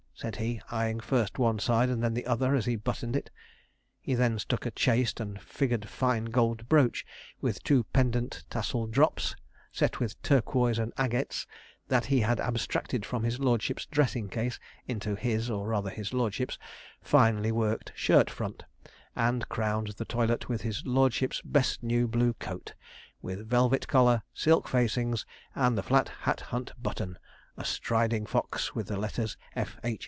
said he, eyeing first one side and then the other as he buttoned it. He then stuck a chased and figured fine gold brooch, with two pendant tassel drops, set with turquoise and agates, that he had abstracted from his lordship's dressing case, into his, or rather his lordship's finely worked shirt front, and crowned the toilet with his lordship's best new blue coat with velvet collar, silk facings, and the Flat Hat Hunt button 'a striding fox,' with the letters 'F.H.